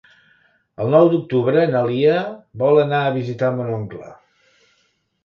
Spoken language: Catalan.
El nou d'octubre na Lia vol anar a visitar mon oncle.